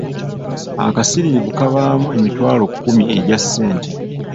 Akasiriivu kabaamu emitwalo kkumi egya ssente.